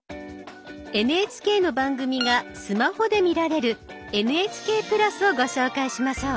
ＮＨＫの番組がスマホで見られる「ＮＨＫプラス」をご紹介しましょう。